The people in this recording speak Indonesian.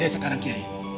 dimana dia sekarang kiai